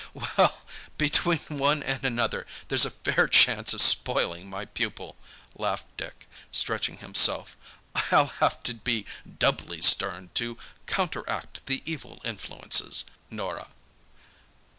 "Well, between one and another there's a fair chance of spoiling my pupil," laughed Dick, stretching himself. "I'll have to be doubly stern to counteract the evil influences, Norah.